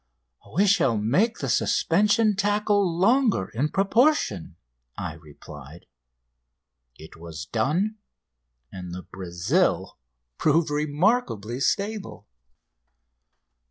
"We shall make the suspension tackle longer in proportion," I replied. It was done, and the "Brazil" proved remarkably stable.